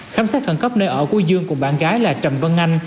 khám sát khẩn cấp nơi ở cuối dương cùng bạn gái là trầm vân anh